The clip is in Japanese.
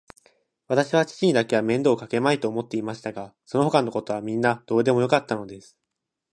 わたしは父にだけは面倒をかけまいと思っていましたが、そのほかのことはみんなどうでもよかったのです。